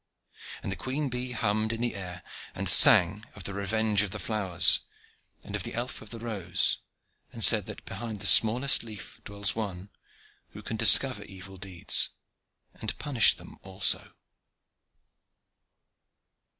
And the queen bee hummed in the air, and sang of the revenge of the flowers, and of the elf of the rose and said that behind the smallest leaf dwells One, who can discover evil deeds, and punish them also.